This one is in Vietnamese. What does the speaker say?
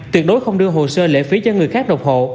tuyệt đối không đưa hồ sơ lễ phí cho người khác độc hộ